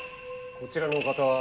こちらのお方は。